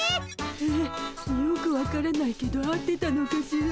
えよく分からないけど合ってたのかしら？